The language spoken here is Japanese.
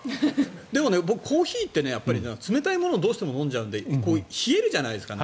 でもコーヒーって冷たいものをどうしても飲んじゃうので冷えるじゃないですか。